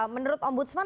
menurut om budsman